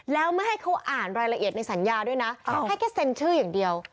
แล้วไม่ให้เขาอ่านรายละเอียดในสัญญาด้วยนะให้แค่เซ็นชื่ออย่างเดียว